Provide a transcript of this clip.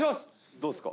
どうっすか？